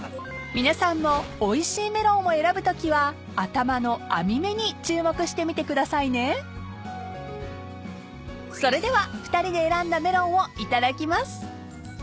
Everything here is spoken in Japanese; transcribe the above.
［皆さんもおいしいメロンを選ぶときは頭の網目に注目してみてくださいね］［それでは２人で選んだメロンを頂きます］